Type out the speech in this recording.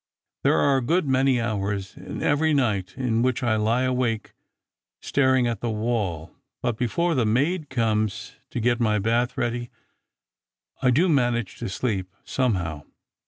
There are a good many hours in every night in which I lie awake stparir g at the wall ; but before the maid comes to get my bath ready, I do manage to sleep, somehow.